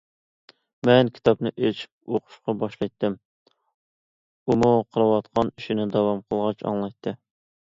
مەن كىتابنى ئېچىپ ئوقۇشقا باشلايتتىم، ئۇمۇ قىلىۋاتقان ئىشىنى داۋام قىلغاچ ئاڭلايتتى.